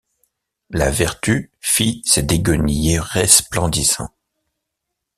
La vertu fit ces déguenillés resplendissants.